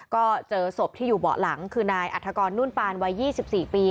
ก็เจอศพที่อยู่เบาะหลังคือนายอัฐกรนุ่นปานวัย๒๔ปี